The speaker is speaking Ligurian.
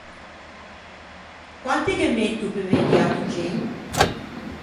Quante ghe metto pe vegnî à Cuggen?